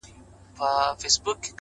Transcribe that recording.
o ښه موده کيږي چي هغه مجلس ته نه ورځمه ـ